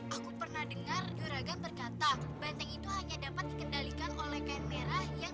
aku pernah dengar ragam berkata banteng itu hanya dapat dikendalikan oleh kain merah yang